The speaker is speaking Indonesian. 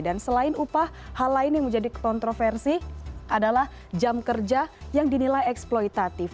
dan selain upah hal lain yang menjadi kontroversi adalah jam kerja yang dinilai eksploitatif